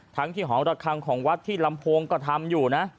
ทั้งที่หอระคังของวัดที่ลำโพงก็ทำอยู่นะ